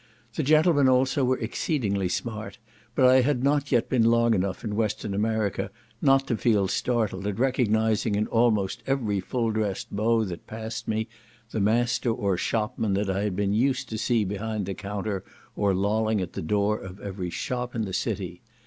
The gentlemen also were exceedingly smart, but I had not yet been long enough in Western America not to feel startled at recognising in almost every full dressed beau that passed me, the master or shopman that I had been used to see behind the counter, or lolling at the door of every shop in the city.